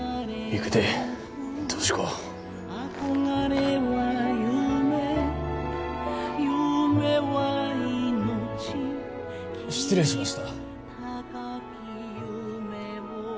行くで俊子失礼しました